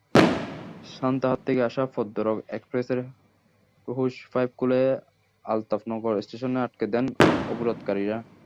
সান্তাহার থেকে আসা পদ্মরাগ এক্সপ্রেসের হোস পাইপ খুলে আলতাফনগর স্টেশনে আটকে দেন অবরোধকারীরা।